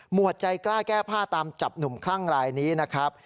วดใจกล้าแก้ผ้าตามจับหนุ่มคลั่งรายนี้นะครับ